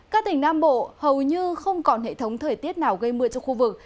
các tỉnh nam bộ hầu như không còn hệ thống thời tiết nào gây mưa cho khu vực